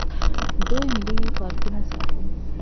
دوی ملي پارکونه ساتي.